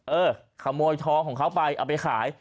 เออขโมยทองของเขาไปเอาไปขาย